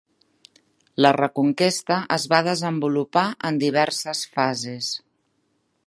La Reconquesta es va desenvolupar en diverses fases.